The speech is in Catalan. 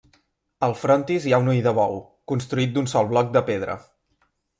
Al frontis hi ha un ull de bou, construït d'un sol bloc de pedra.